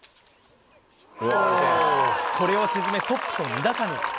これを沈め、トップと２打差に。